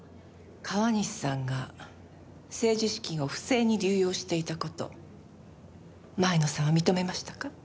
川西さんが政治資金を不正に流用していた事前野さんは認めましたか？